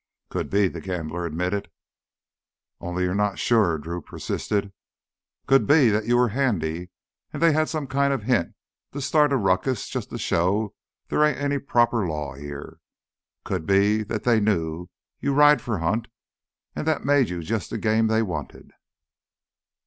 "Could be," the gambler admitted. "Only you're not sure?" Drew persisted. "Could be you were handy and they had some kind of a hint to start a ruckus just to show there ain't any proper law here. Could be that they knew you ride for Hunt and that made you just the game they wanted."